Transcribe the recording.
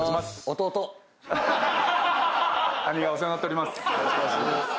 兄がお世話になっております。